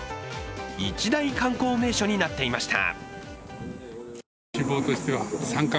一大観光名所になっていました。